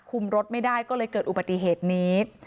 รถไม่ได้ก็เลยเกิดอุบัติเหตุนี้